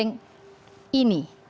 menggandeng aplikasi yang anda gunakan